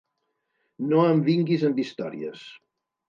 No em vinguis amb històries.